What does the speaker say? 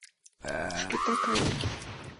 Шкетак, ане...